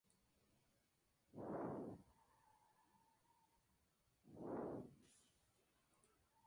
Durante su carrera, ha aparecido en revistas como "Maxim" y "Elle".